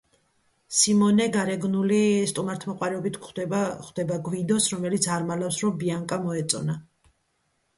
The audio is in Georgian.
სიმონე გარეგნული სტუმართმოყვარეობით ხვდება გვიდოს, რომელიც არ მალავს, რომ ბიანკა მოეწონა.